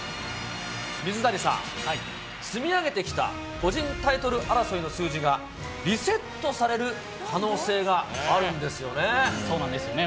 水谷さん、積み上げてきた個人タイトル争いの数字が、リセットされる可能性そうなんですよね。